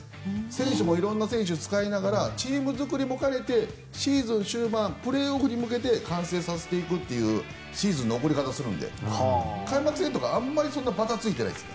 選手も色んな選手を使いながらチーム作りも兼ねてシーズン終盤、プレーオフに向けて完成させていくというシーズンの送り方をするので開幕戦とかあまりばたついてないです。